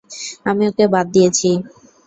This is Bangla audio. আমি ওকে বাদ দিয়েছি।